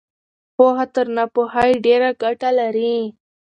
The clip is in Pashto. پوهه تر ناپوهۍ ډېره ګټه لري.